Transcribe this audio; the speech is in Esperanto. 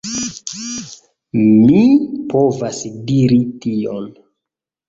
Mi povas diri tion.